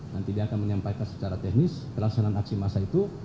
nanti dia akan menyampaikan secara teknis pelaksanaan aksi massa itu